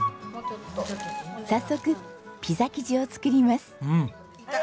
早速ピザ生地を作ります。